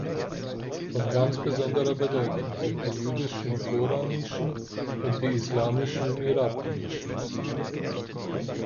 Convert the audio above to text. Von ganz besonderer Bedeutung sind die jüdischen Thora-Nischen und die islamischen Mihrab-Nischen.